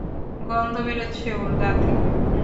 গন্ধ বেরোচ্ছে ওর গা থেকে।